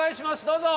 どうぞ！